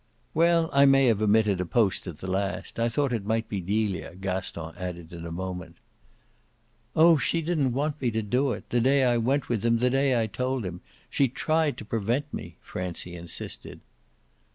"Well, I may have omitted a post at the last I thought it might be Delia," Gaston added in a moment. "Oh she didn't want me to do it the day I went with him, the day I told him. She tried to prevent me," Francie insisted.